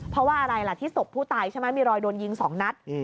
เพราะว่าอะไรล่ะที่ศพผู้ตายใช่ไหมมีรอยโดนยิง๒นัด